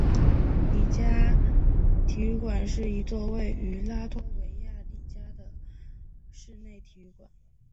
里加体育馆是一座位于拉脱维亚里加的室内体育馆。